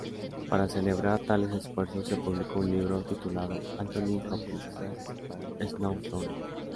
Para celebrar tales esfuerzos se publicó un libro, titulado "Anthony Hopkins' Snowdonia".